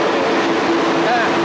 nah suara sedang terhati sekali